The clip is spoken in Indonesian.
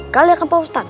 kalian kan pak ustadz